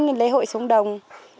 lễ lớn lễ hội sống đồng